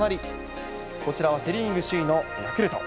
こちらはセ・リーグ首位のヤクルト。